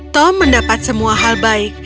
tom mendapat semua hal baik